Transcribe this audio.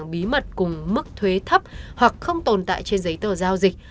bí mật cùng mức thuế thấp hoặc không tồn tại trên giấy tờ giao dịch